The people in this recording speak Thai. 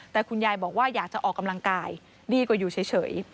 แต่คุณยายบอกว่าอยากจะออกกำลังกายดีกว่าอยู่เฉย